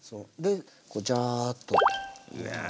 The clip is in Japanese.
こうジャーッと。